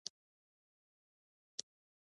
کېندل شوې څاه ته ور برابرېږي.